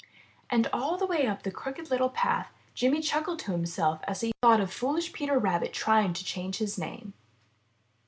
And all the way up the Crooked Little Path, Jimmy chuckled to himself as he thought of Foolish Peter Rabbit trying to change his name.